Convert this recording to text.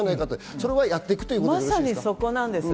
それはやっていくということですか？